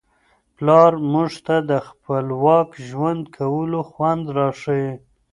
پلار موږ ته د خپلواک ژوند کولو خوند را ښيي.